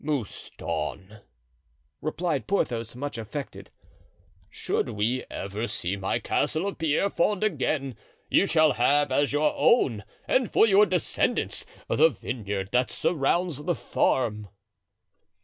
"Mouston," replied Porthos, much affected, "should we ever see my castle of Pierrefonds again you shall have as your own and for your descendants the vineyard that surrounds the farm."